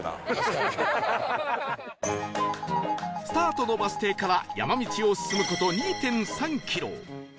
スタートのバス停から山道を進む事 ２．３ キロ